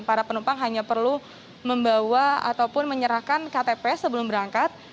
para penumpang hanya perlu membawa ataupun menyerahkan ktp sebelum berangkat